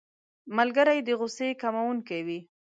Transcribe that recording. ملګری د غوسې کمونکی وي